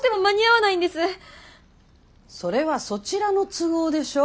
それはそちらの都合でしょ。